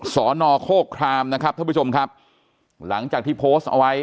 ศนโค้กครามทุกประชุมครับหลังจากที่โพสต์